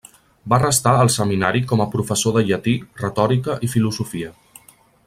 Va restar al Seminari com a professor de llatí, retòrica i filosofia.